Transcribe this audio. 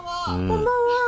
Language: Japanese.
こんばんは。